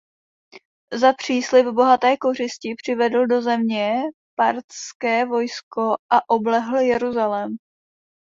Za příslib bohaté kořisti přivedl do země parthské vojsko a oblehl Jeruzalém.